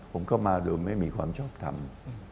ผมก็มาโดยไม่มีความชอบทำ